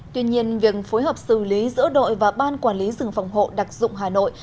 tuy nhiên việc phối hợp xử lý giữa đội và ban quản lý rừng phòng hộ đặc dụng hà nội